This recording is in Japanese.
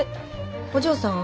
お嬢さん。